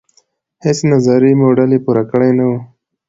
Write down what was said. هیڅ نظري موډل یې پور کړې نه وه.